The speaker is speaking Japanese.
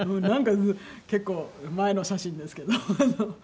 なんか結構前の写真ですけど。